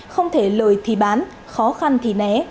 không thể lời thì bán khó khăn thì né